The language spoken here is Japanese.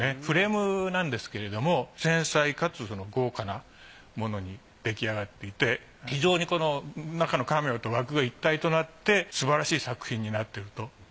フレームなんですけれども繊細かつ豪華なものに出来上がっていて非常にこの中のカメオと枠が一体となってすばらしい作品になってると。